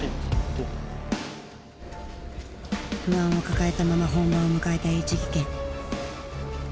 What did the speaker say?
不安を抱えたまま本番を迎えたＨ技研。